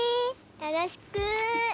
よろしく。